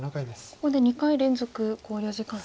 ここで２回連続考慮時間ですね。